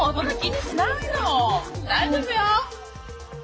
大丈夫よ！